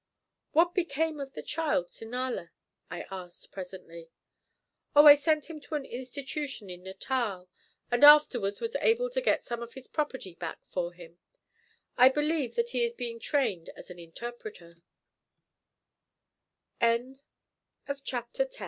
"What became of the child Sinala?" I asked presently. "Oh, I sent him to an institution in Natal, and afterwards was able to get some of his property back for him. I believe that he is being trained as an interpreter."